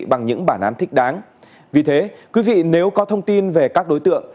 bằng những bản án thích đáng vì thế quý vị nếu có thông tin về các đối tượng